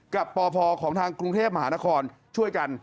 กับปพของทางกรุงเทพมหานครช่วยกัน